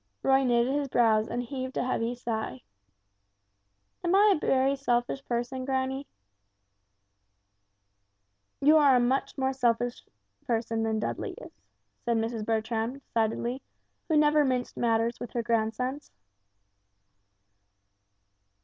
Roy knitted his brows and heaved a heavy sigh. "Am I a very selfish person, granny?" "You are much more selfish than Dudley is," said Mrs. Bertram, decidedly, who never minced matters with her grandsons.